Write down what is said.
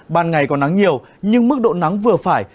ban ngày còn nắng nhiều nhưng mức độ nắng vừa phải